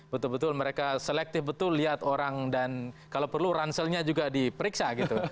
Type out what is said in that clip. betul betul mereka selektif betul lihat orang dan kalau perlu ranselnya juga diperiksa gitu